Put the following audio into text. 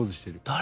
誰？